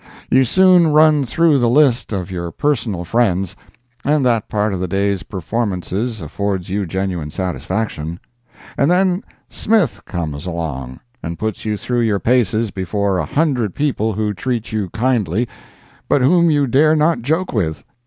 You soon run through the list of your personal friends—and that part of the day's performances affords you genuine satisfaction—and then Smith comes along and puts you through your paces before a hundred people who treat you kindly, but whom you dare not joke with.